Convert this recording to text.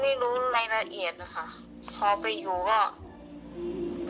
เราไม่รู้การการราชามาก